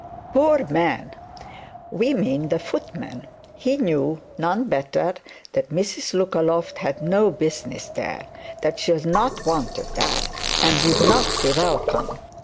Poor man! we mean the footman. He knew, none better, that Mrs Lookaloft had no business there, that she was not wanted there, and would not be welcome.